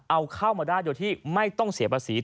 เอาเข้ามาได้โดยที่ไม่ต้องเสียภาษี